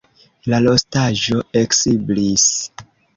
La rostaĵo eksiblis.